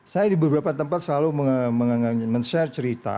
saya di beberapa tempat selalu men share cerita